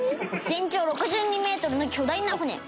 「全長６２メートルの巨大な船」